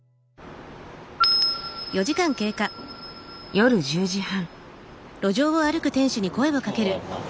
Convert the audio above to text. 夜１０時半。